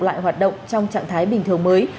lại hoạt động trong trạng thái bình thường mới